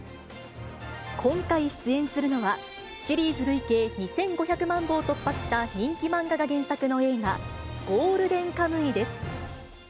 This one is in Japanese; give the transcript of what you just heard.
今回、出演するのはシリーズ累計２５００万部を突破した人気漫画が原作の映画、ゴールデンカムイです。